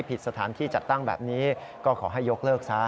ผิดสถานที่จัดตั้งแบบนี้ก็ขอให้ยกเลิกซะ